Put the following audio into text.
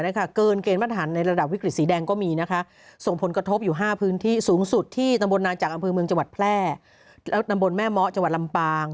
ที่ตำบลนาจักรอำเภอเมืองจังหวัดแพร่แล้วตำบลแม่หมอจังหวัดลำปาง